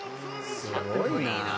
「すごいな」